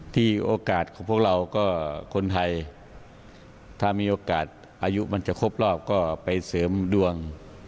โอกาสของพวกเราก็คนไทยถ้ามีโอกาสอายุมันจะครบรอบก็ไปเสริมดวง